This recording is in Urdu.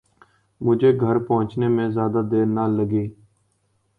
مجھے گھر پہنچنے میں زیادہ دیر نہ لگی